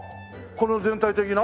この全体的な？